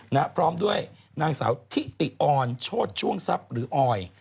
นะครับพร้อมด้วยนางสาวทิติออนโชชช่วงซับหรือออย